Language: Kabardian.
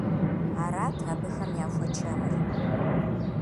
Арат абыхэм яхуэчэмыр.